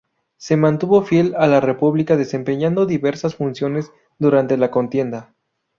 Se mantuvo fiel a la República, desempeñando diversas funciones durante la contienda.